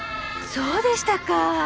そうでしたか。